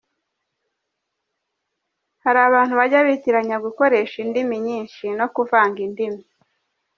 Hari abantu bajya bitiranya gukoresha indimi nyinshi no kuvanga indimi.